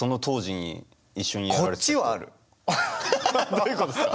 どういうことですか？